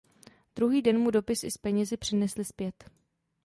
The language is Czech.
Druhý den mu dopis i s penězi přinesli zpět.